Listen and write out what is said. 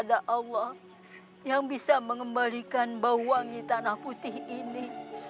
tuhan yang mengembalikan bau wangi tanah putih ini